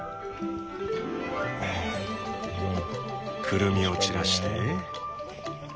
くるみを散らして。